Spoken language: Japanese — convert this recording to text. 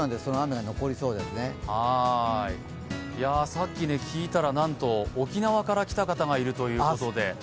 さっき聞いたら沖縄から来た方がいるということで。